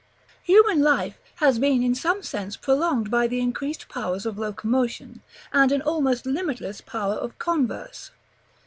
Human life has been in some sense prolonged by the increased powers of locomotion, and an almost limitless power of converse.